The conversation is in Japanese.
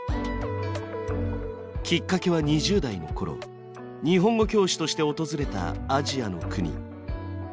きっかけは２０代の頃日本語教師として訪れたアジアの国。